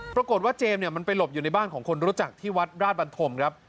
ปรากฏว่าเจมส์เนี่ยมันไปหลบอยู่ในบ้านของคนรู้จักที่วัดราชบันธมครับ